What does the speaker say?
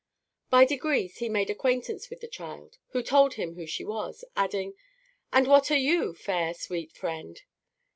By degrees he made acquaintance with the child, who told him who she was, adding, "And what are you, fair, sweet friend?"